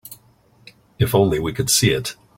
If only we could see it.